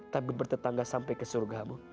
tapi bertetangga sampai ke surgamu